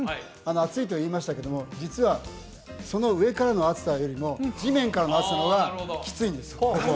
暑いと言いましたけども実は上からの暑さよりも地面からの暑さの方がきついんです